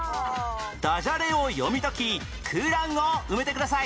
ダジャレを読み解き空欄を埋めてください